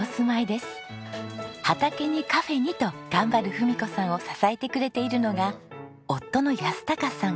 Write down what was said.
畑にカフェにと頑張る郁子さんを支えてくれているのが夫の保貴さん。